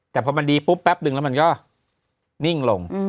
แต่พอมันดีปุ๊บแป๊บนึงแล้วมันก็นิ่งลง